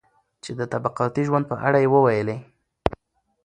چې د طبقاتي ژوند په اړه يې وويلي.